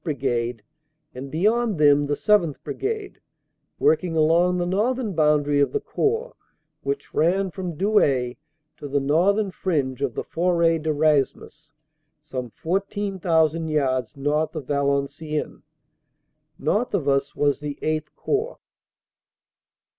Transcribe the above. Brigade, and, beyond them, the 7th. Brigade, working along the northern boundary of the Corps which ran from Douai to the northern fringe of the Foret de Raismes, some 14,000 yards north of Valenciennes. North of us was the VIII Corps.